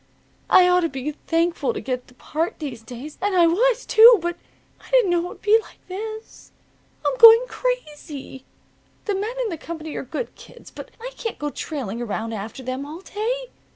I ought to be thankful to get the part these days. And I was, too. But I didn't know it would be like this. I'm going crazy. The men in the company are good kids, but I can't go trailing around after them all day.